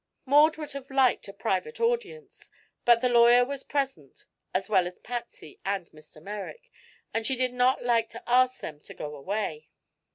Maud would have liked a private audience, but the lawyer was present as well as Patsy and Mr. Merrick, and she did not like to ask them to go away.